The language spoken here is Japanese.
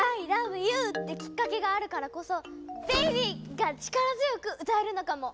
ＹＯＵ！」ってきっかけがあるからこそ「ＢＡＢＹ！」が力強く歌えるのかも。